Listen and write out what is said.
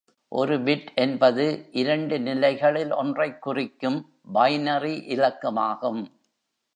ஒரு "பிட்" என்பது இரண்டு நிலைகளில் ஒன்றைக் குறிக்கும் பைனரி இலக்கமாகும்.